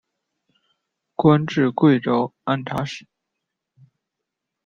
官至贵州按察使。